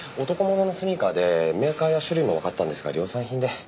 男物のスニーカーでメーカーや種類もわかったんですが量産品で。